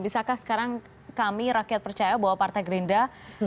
bisakah sekarang kami rakyat percaya bahwa partai gerindra